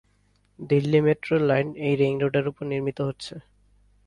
দিল্লি মেট্রোর লাইন এই রিং রোডের উপর নির্মিত হচ্ছে।